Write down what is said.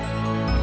kalau berg layak